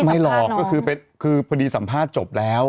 ไม่หรอกก็คือพอดีสัมภาษณ์จบแล้ว